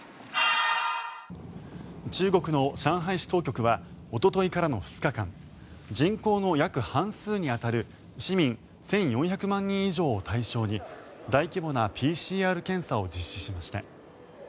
中国の上海市当局はおとといからの２日間人口の約半数に当たる市民１４００万人以上を対象に大規模なＰＣＲ検査を実施しました。